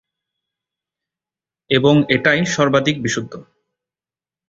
এবং এটাই সর্বাধিক বিশুদ্ধ।